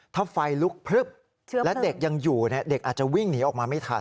ถ้าไฟลุกพลึบและเด็กยังอยู่เด็กอาจจะวิ่งหนีออกมาไม่ทัน